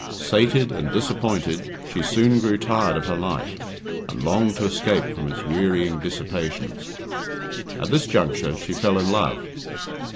Sated, and disappointed, she soon grew tired of her life, and longed to escape from its wearying dissipations. At this juncture she fell in love.